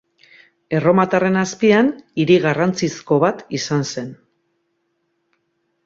Erromatarren azpian hiri garrantzizko bat izan zen.